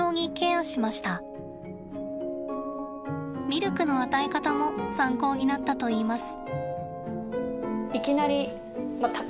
ミルクの与え方も参考になったといいます。